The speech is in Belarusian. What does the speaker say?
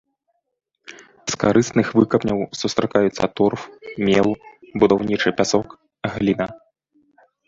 З карысных выкапняў сустракаюцца торф, мел, будаўнічы пясок, гліна.